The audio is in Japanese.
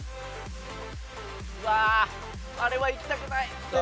うわあれはいきたくない絶対。